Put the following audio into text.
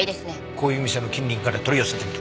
こういう店の近隣から取り寄せてみる。